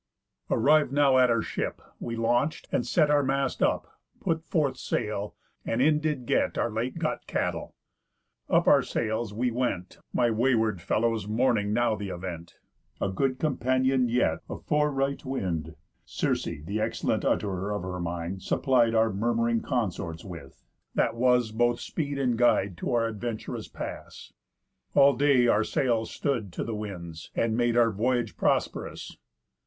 "Arriv'd now at our ship, we launch'd, and set Our mast up, put forth sail, and in did get Our late got cattle. Up our sails, we went, My wayward fellows mourning now th' event. A good companion yet, a foreright wind, Circe (the excellent utt'rer of her mind) Supplied our murmuring consorts with, that was Both speed and guide to our adventurous pass. All day our sails stood to the winds, and made Our voyage prosp'rous.